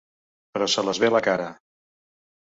Pero se les ve la cara.